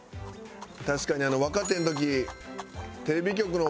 確かに若手の時。